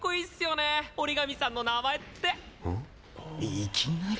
いきなり？